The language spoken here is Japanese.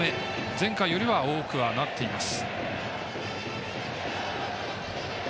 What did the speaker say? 前回よりは多くはなっています。